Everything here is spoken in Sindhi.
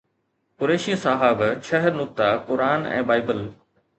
قريشي صاحب ڇهه نقطا قرآن ۽ بائبل